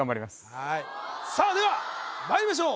はいさあではまいりましょう